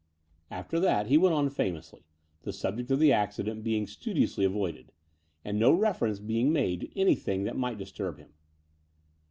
After that he went on famously, the subject of the accident being studiously avoided, and no reference being made to anything that might dis turb him.